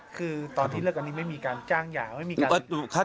คือตอนที่เลิกกันนี้ไม่มีการจ้างยาวไม่มีการ